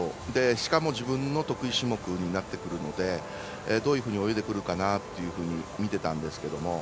しかも自分の得意種目になってくるのでどういうふうに泳いでくるかなと見てたんですけど。